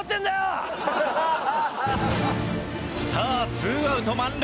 さあツーアウト満塁。